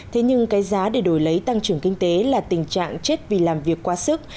thế nhưng cái giá để đổi lấy tăng trưởng kinh tế là tình trạng chết vì làm việc quá sức